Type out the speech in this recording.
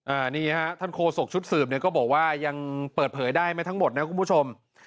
อันนี้ฮะท่านโคศกชุดสืบเนี่ยก็บอกว่ายังเปิดเผยได้ไม่ทั้งหมดนะคุณผู้ชม